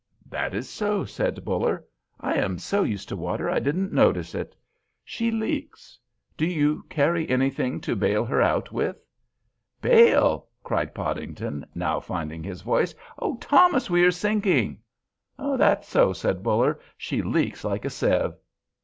"That is so," said Buller. "I am so used to water I didn't notice it. She leaks. Do you carry anything to bail her out with?" "Bail!" cried Podington, now finding his voice. "Oh, Thomas, we are sinking!" "That's so," said Buller; "she leaks like a sieve."